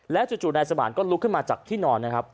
จู่นายสมานก็ลุกขึ้นมาจากที่นอนนะครับ